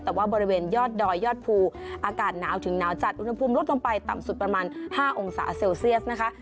แต่ว่าบริเวณยอดดอยยอดภูอากาศหนาวถึงหนาวจัดอุณหภูมิลดลงไปต่ำสุดประมาณ๕องศาเซลเซียสนะคะ